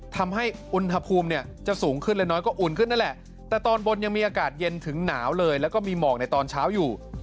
ทำให้อุณหภูมิเนี่ยจะสูงขึ้นและน้อยก็อุ่นขึ้นนั่นแหละแต่ตอนบนยังมีอากาศเย็นถึงหนาวเลยแล้วก็มีหมอกในตอนเช้าอยู่